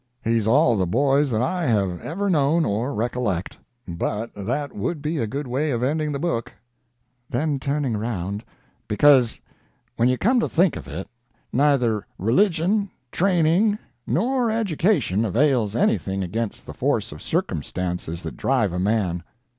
"He's all the boy that I have known or recollect; but that would be a good way of ending the book"; then, turning round,[Pg 175] "because, when you come to think of it, neither religion, training, nor education avails anything against the force of circumstances that drive a man.